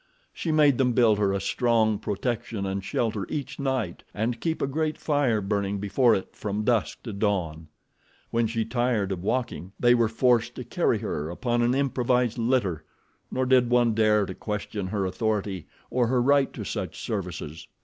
She made them build her a strong protection and shelter each night and keep a great fire burning before it from dusk to dawn. When she tired of walking they were forced to carry her upon an improvised litter, nor did one dare to question her authority or her right to such services.